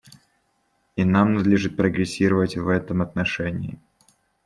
И нам надлежит прогрессировать в этом отношении.